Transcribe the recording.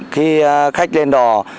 khi khách lên đò